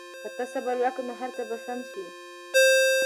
که ته صبر وکړې نو هر څه به سم شي.